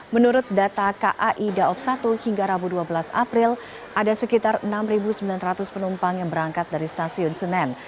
menurut data kai daob satu hingga rabu dua belas april ada sekitar enam sembilan ratus penumpang yang berangkat dari stasiun senen